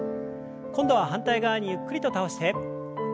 今度は反対側にゆっくりと倒して。